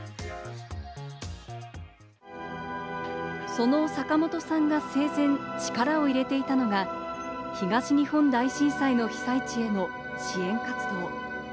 その坂本さんが生前、力を入れていたのが、東日本大震災の被災地への支援活動。